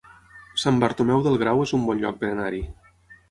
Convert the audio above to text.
Sant Bartomeu del Grau es un bon lloc per anar-hi